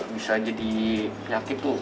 bisa jadi nyakit tuh